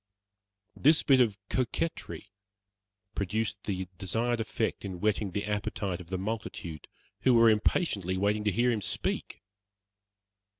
This bit of coquetry produced the desired effect in whetting the appetite of the multitude, who were impatiently waiting to hear him speak.